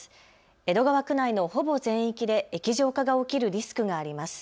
江戸川区内のほぼ全域で液状化が起きるリスクがあります。